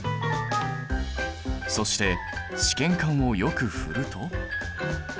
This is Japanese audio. そして試験管をよく振ると。